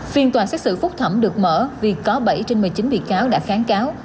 phiên tòa xét xử phúc thẩm được mở vì có bảy trên một mươi chín bị cáo đã kháng cáo